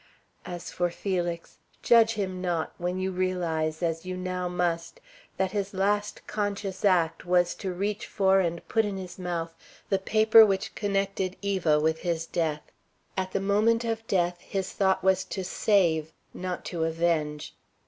As for Felix himself, judge him not, when you realize, as you now must, that his last conscious act was to reach for and put in his mouth the paper which connected Eva with his death. At the moment of death his thought was to save, not to avenge.